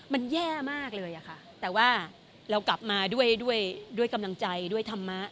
มันแย่มากเลยอะค่ะแต่ว่าเรากลับมาด้วยด้วยกำลังใจด้วยธรรมะ